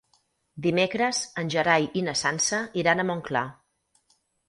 Dimecres en Gerai i na Sança iran a Montclar.